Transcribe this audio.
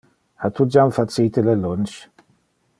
Ha tu jam facite le lunch?